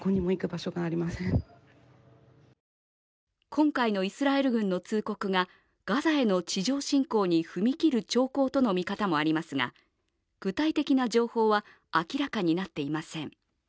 今回のイスラエル軍の通告がガザへの地上侵攻に踏み切る兆候との見方もありますが具体的な情報は明らかになっていません。